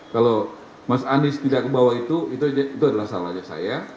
kalau mas anies tidak ke bawah itu itu adalah salahnya saya